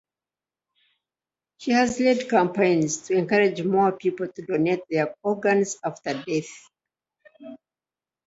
She has led campaigns to encourage more people to donate their organs after death.